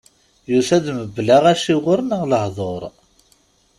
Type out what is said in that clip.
Yusa-d mebla aciwer neɣ lehdur.